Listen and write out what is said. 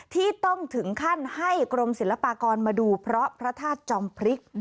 ที่ต้องถึงขั้นให้กรมศิลปากรมาดูเพราะพระธาตุจอมพริก